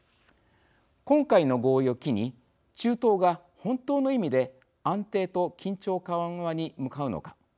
今回の合意を機に、中東が本当の意味で安定と緊張緩和に向かうのか。